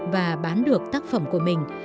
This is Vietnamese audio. và bán được tác phẩm của mình